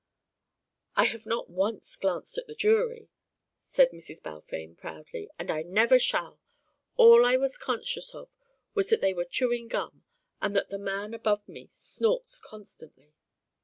"I have not once glanced at the jury," said Mrs. Balfame proudly, "and I never shall. All I was conscious of was that they were chewing gum, and that the man above me snorts constantly."